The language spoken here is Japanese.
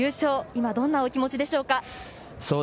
今、どんなお気持ちでしょうか。